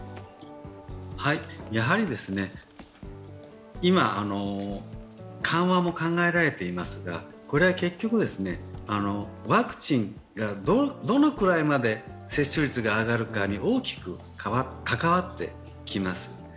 やはり今、緩和も考えられていますがこれは結局ですね、ワクチンがどのくらいまで接種率が上がるかに大きく関わってきます。